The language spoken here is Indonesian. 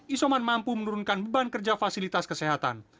isoman mampu menurunkan beban kerja fasilitas kesehatan